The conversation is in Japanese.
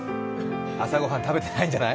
朝ごはん、食べてないんじゃない？